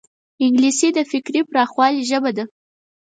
انګلیسي د فکري پراخوالي ژبه ده